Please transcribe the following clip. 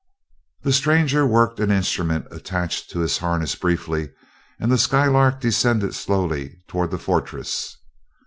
The stranger worked an instrument attached to his harness briefly, and the Skylark descended slowly toward the fortress.